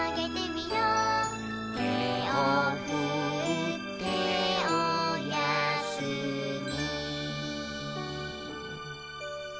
「てをふっておやすみ」